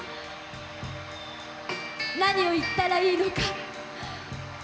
何を言ったらいいのか。